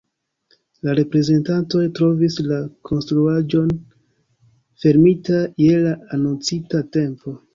La reprezentantoj trovis la konstruaĵon fermita je la anoncita tempo.